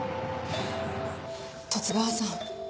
十津川さん